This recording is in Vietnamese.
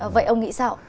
vậy ông nghĩ sao